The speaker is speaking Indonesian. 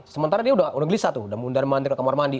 sementara dia udah gelisah tuh udah mundar mandir ke kamar mandi